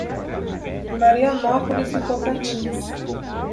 Marianópolis do Tocantins